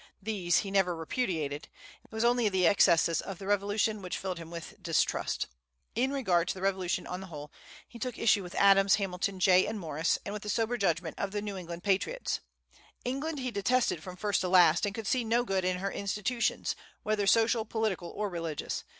These he never repudiated. It was only the excesses of the Revolution which filled him with distrust. In regard to the Revolution on the whole, he took issue with Adams, Hamilton, Jay, and Morris, and with the sober judgment of the New England patriots. England he detested from first to last, and could see no good in her institutions, whether social, political, or religious.